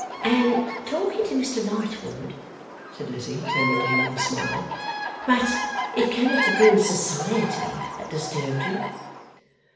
'And talking to Mr Lightwood,' said Lizzie, turning to him with a smile. 'But it cannot have been Society that disturbed you.